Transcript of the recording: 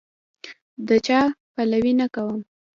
د چا پلوی نه کوم.